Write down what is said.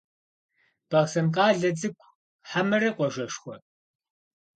Бахъсэн къалэ цӏыкӏу хьэмэрэ къуажэшхуэ?